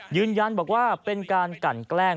ยืนยันบอกว่าเป็นการกันแกล้ง